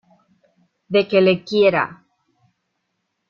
de que le quiera.